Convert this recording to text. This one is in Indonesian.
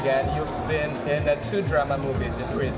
dan sebenarnya ada cara yang spesifik